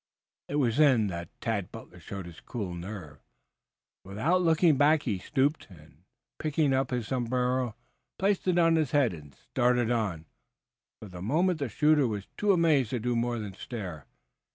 It was then that Tad Butler showed his cool nerve. Without looking back he stooped, and, picking up his sombrero, placed it on his head and started on. For the moment the shooter was too amazed to do more than stare.